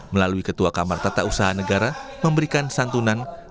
melalui ketua kamar tata usaha negara memberikan santunan